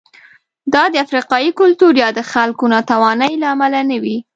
دا د افریقايي کلتور یا د خلکو ناتوانۍ له امله نه وې.